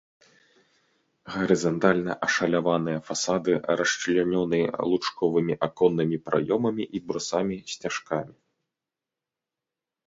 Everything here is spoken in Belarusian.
Гарызантальна ашаляваныя фасады расчлянёны лучковымі аконнымі праёмамі і брусамі-сцяжкамі.